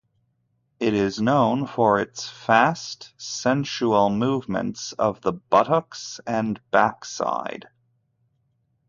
It is known for its fast sensual movements of the buttocks and backside.